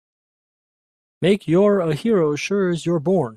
Make you're a hero sure as you're born!